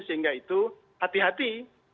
sehingga itu hati hati